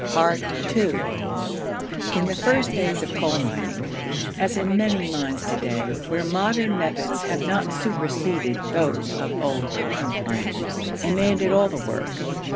II In the first days of coal mining as in many mines to day where modern methods have not superseded those of old time miners a man did all the work.